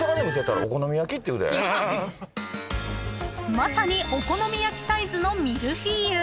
［まさにお好み焼きサイズのミルフィーユ］